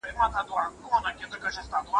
انا وویل چې زه باید توبه وباسم.